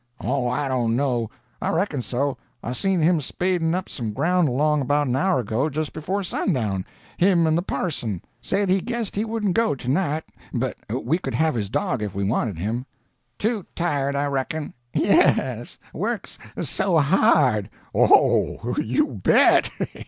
"Oh, I don't know. I reckon so. I seen him spading up some ground along about an hour ago, just before sundown—him and the parson. Said he guessed he wouldn't go to night, but we could have his dog if we wanted him." "Too tired, I reckon." "Yes—works so hard!" "Oh, you bet!"